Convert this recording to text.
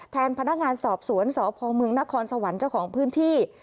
แทนพนักงานสอบสวนสพมนสวรรค์เจ้าของพื้นที่